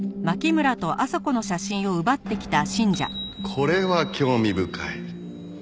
これは興味深い。